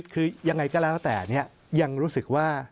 คือยังไงก็แล้วแต่ยังรู้สึกว่า